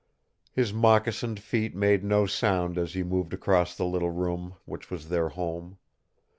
His moccasined feet made no sound as he moved across the little room which was their home.